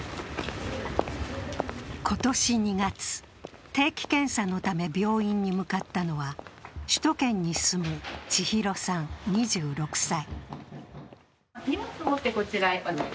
今年２月、定期検査のため病院に向かったのは首都圏に住む千尋さん２６歳。